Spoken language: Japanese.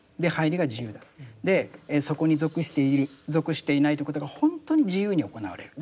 でそこに属している属していないということが本当に自由に行われる。